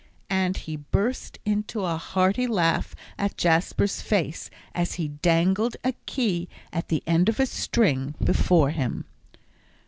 And he burst into a hearty laugh at Jasper's face, as he dangled a key at the end of a string, before him.